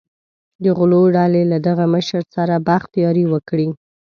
د غلو ډلې له دغه مشر سره بخت یاري وکړي.